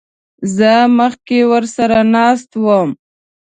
زه مخکې ورسره ناست وم.